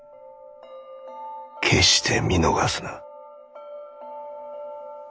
決して見逃すな。